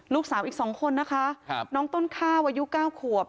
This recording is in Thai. ลูกสาวอีก๒คนนะคะน้องต้นข้าวอายุ๙ขวบ